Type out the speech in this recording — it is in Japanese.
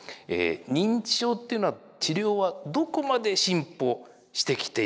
認知症っていうのは治療はどこまで進歩してきているのか。